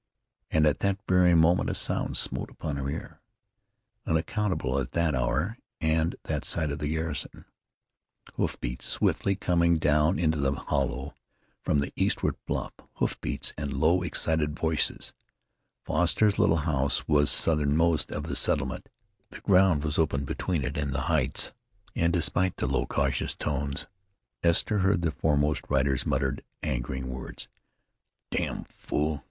And at that very moment a sound smote upon her ear, unaccountable at that hour and that side of the garrison hoofbeats swiftly coming down into the hollow from the eastward bluff, hoofbeats and low, excited voices. Foster's little house was southernmost of the settlement. The ground was open between it and the heights, and despite the low, cautious tones, Esther heard the foremost rider's muttered, angering words. "Dam fool!